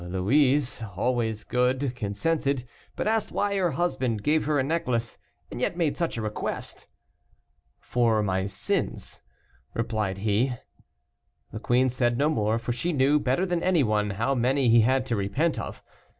Louise, always good, consented, but asked why her husband gave her a necklace, and yet made such a request. "For my sins," replied he. The queen said no more, for she knew, better than any one, how many he had to repent of.